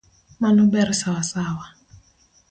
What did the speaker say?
Mano ber sawasawa.